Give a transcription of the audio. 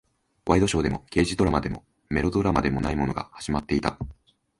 ワイドショーでも、刑事ドラマでも、メロドラマでもないものが始まっていた。